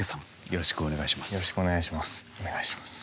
よろしくお願いします。